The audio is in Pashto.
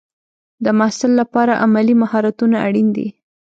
د محصل لپاره عملي مهارتونه اړین دي.